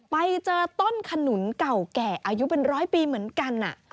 ไปเจอต้นขนุนเก่าแก่อายุเป็นร้อยปีเหมือนกัน